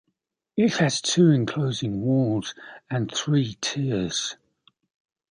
It has two enclosing walls and three tiers.